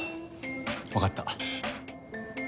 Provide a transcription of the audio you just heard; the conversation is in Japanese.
わかった。